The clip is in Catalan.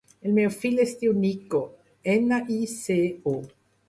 El meu fill es diu Nico: ena, i, ce, o.